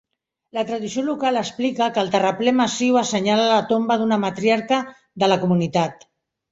La tradició local explica que el terraplè massiu assenyala la tomba d'una matriarca de la comunitat.